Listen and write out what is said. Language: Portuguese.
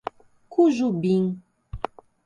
Cujubim